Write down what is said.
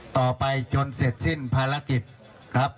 ต่อไปจนเสร็จสิ้นภารกิจครับ